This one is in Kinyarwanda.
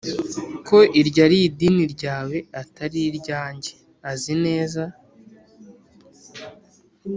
Ko iryo ari idini ryawe atari iryanjye azi neza